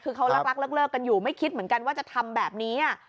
คือเขารักเลิกกันอยู่ไม่คิดเหมือนกันว่าจะทำแบบนี้